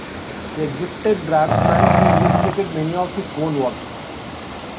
A gifted draftsman, he illustrated many of his own works.